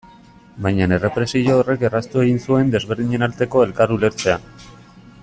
Baina errepresio horrek erraztu egin zuen desberdinen arteko elkar ulertzea.